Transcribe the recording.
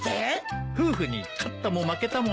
夫婦に勝ったも負けたもないからね。